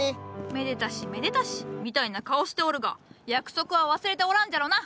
めでたしめでたしみたいな顔しておるが約束は忘れておらんじゃろうな？